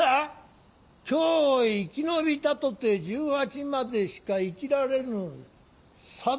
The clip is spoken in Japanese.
今日を生き延びたとて１８までしか生きられぬさだめ。